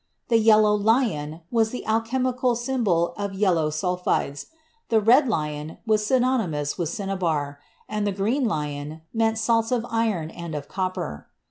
The "yellow lion" was the alchem ical symbol of yellow sulphides, the "red lion" was synony mous with cinnabar, and the "green lion" meant salts of iron and of copper.